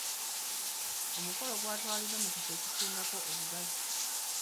Omukolo gutwaliddwa mu kifo ekisingako obugazi.